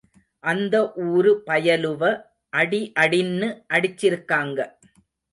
அந்த ஊரு பயலுவ அடி அடின்னு அடிச்சிருக்காங்க.